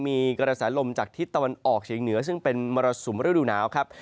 มีกระแสลมจากทิศตะวันออกเฉียงเหนือซึ่งเป็นมรสุมฤดูหนาวครับ